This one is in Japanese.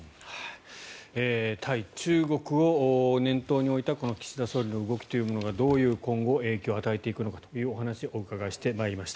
対中国を念頭に置いた岸田総理の動きというものが今後どういう影響を与えていくのかというお話をお伺いしてまいりました。